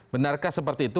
benarkah seperti itu